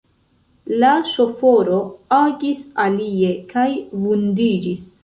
La ŝoforo agis alie, kaj vundiĝis.